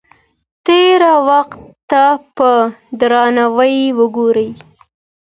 تېر وخت ته په درناوي وګورئ.